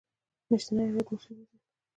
میاشتنی عاید مو څومره دی؟